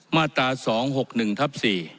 มาตรา๒๖๑ทับ๔